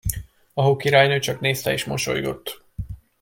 A Hókirálynő csak nézte és mosolygott.